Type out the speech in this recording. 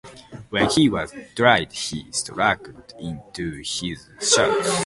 When he was dried he struggled into his shirt.